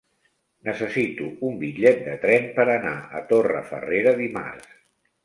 Necessito un bitllet de tren per anar a Torrefarrera dimarts.